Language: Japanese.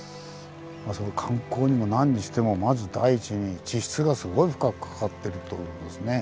観光にも何にしてもまず第一に地質がすごい深く関わってると思いますね。